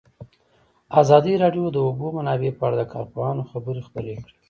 ازادي راډیو د د اوبو منابع په اړه د کارپوهانو خبرې خپرې کړي.